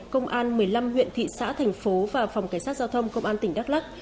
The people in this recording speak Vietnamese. công an một mươi năm huyện thị xã thành phố và phòng cảnh sát giao thông công an tỉnh đắk lắc